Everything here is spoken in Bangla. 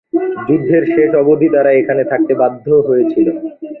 যুদ্ধের শেষ অবধি তারা এখানে থাকতে বাধ্য হয়েছিল।